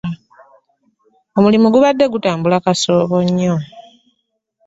Omulimu gubadde gutambula kasoobo nnyo.